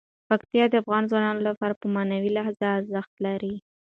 پکتیا د افغانانو لپاره په معنوي لحاظ ارزښت لري.